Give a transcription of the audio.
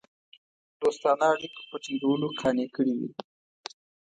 دوستانه اړېکو په ټینګولو قانع کړي وه.